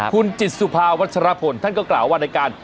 คุณจิตสุภาวัชรพลท่านก็กล่าวว่าในการ